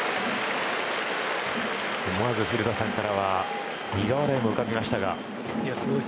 思わず古田さんからは苦笑いも浮かびましたが。